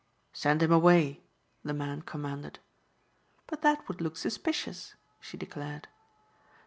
"Send him away," the man commanded. "But that would look suspicious," she declared.